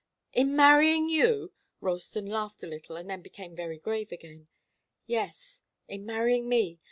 "In marrying you!" Ralston laughed a little and then became very grave again. "Yes, in marrying me.